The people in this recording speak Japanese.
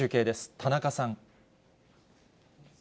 田中さん。